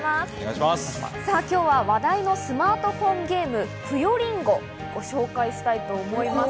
今日は話題のスマートフォンゲーム、『ぷよりんご』をご紹介したいと思います。